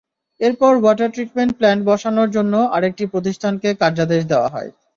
এরপর water treatment plant বসানোর জন্য আরেকটি প্রতিষ্ঠানকে কার্যাদেশ দেওয়া হয়।